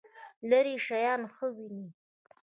لرې شیان ښه وینئ؟